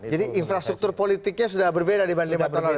jadi infrastruktur politiknya sudah berbeda dibanding batal